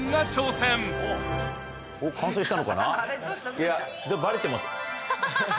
いやバレてます。